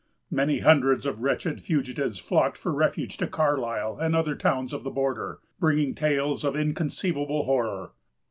Many hundreds of wretched fugitives flocked for refuge to Carlisle and the other towns of the border, bringing tales of inconceivable horror.